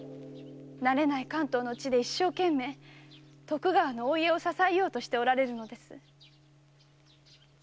慣れない関東の地で一生懸命徳川のお家を支えようとしておられるのです。